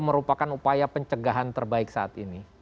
merupakan upaya pencegahan terbaik saat ini